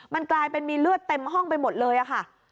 มันกลายเป็นมีเลือดเต็มห้องไปหมดเลยค่ะ